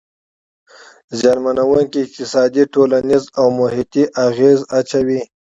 زیانمنووونکي اقتصادي، ټولنیز او محیطي اغیز اچوي.